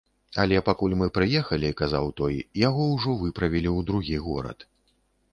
Але пакуль мы прыехалі, казаў той, яго ўжо выправілі ў другі горад.